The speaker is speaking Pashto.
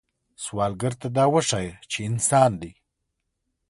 سوالګر ته دا وښایه چې انسان دی